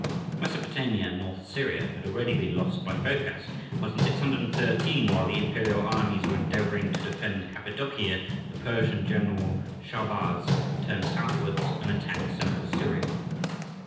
Mesopotamia and North Syria had already been lost by Phocas, but in 613, while the imperial armies were endeavouring to defend Cappadocia, the Persian general Shahrbarz turned southwards and attacked Central Syria.